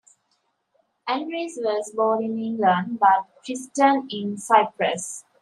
Andreas was born in England but christened in Cyprus.